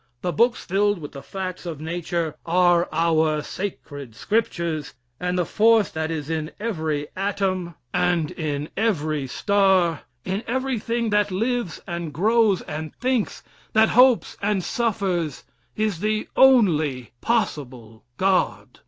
The books filled with the facts of Nature are our sacred scriptures, and the force that is in every atom and in every star in everything that lives and grows and thinks, that hopes and suffers, is the only possible god.